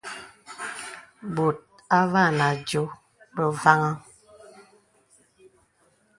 Bòt àvā nà àdiò bə vaŋhaŋ.